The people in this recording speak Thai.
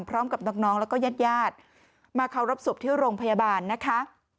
พร้อมกับน้องแล้วก็ญาติญาติมาเคารพศพที่โรงพยาบาลนะคะ